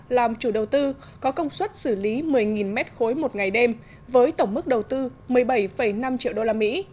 làm chủ đầu tư có công suất xử lý một mươi m ba một ngày đêm với tổng mức đầu tư một mươi bảy năm triệu đô la mỹ